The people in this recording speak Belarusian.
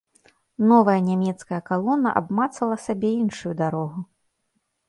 Новая нямецкая калона абмацвала сабе іншую дарогу.